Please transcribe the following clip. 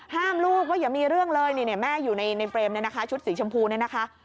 ห้ามลูกก็อย่ามีเรื่องเลยแม่อยู่ในเตรียมชุดสีชมพูนี่นะคะ